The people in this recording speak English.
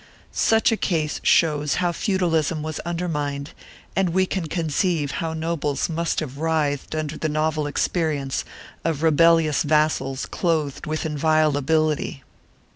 1 Such a case shows how feudalism was undermined and we can conceive how nobles must have writhed under the novel experience of rebellious vassals clothed with inviolability.